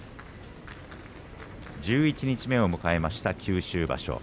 十一日目を迎えました九州場所。